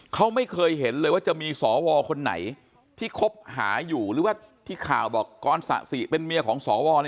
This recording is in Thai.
เขาไม่เคยเห็นเลยว่าจะมีสวคนไหนที่คบหาอยู่หรือว่าที่ข่าวบอกกรสะสิเป็นเมียของสว